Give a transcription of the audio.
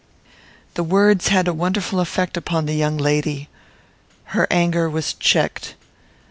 These words had a wonderful effect upon the young lady. Her anger was checked.